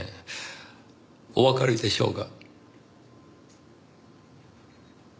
おわかりでしょうが。